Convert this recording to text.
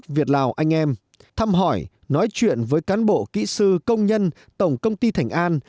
việt lào anh em thăm hỏi nói chuyện với cán bộ kỹ sư công nhân tổng công ty thành an